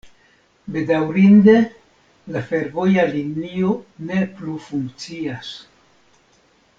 Bedaŭrinde la fervoja linio ne plu funkcias.